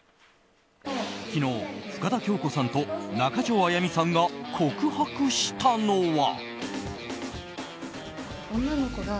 昨日、深田恭子さんと中条あやみさんが告白したのは。